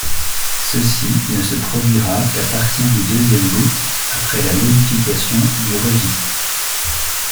Ceci ne se produira qu'à partir du deuxième boot après la modification du registre.